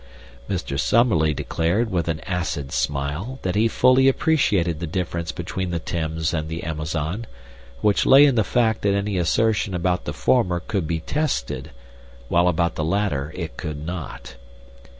Mr. Summerlee declared, with an acid smile, that he fully appreciated the difference between the Thames and the Amazon, which lay in the fact that any assertion about the former could be tested, while about the latter it could not.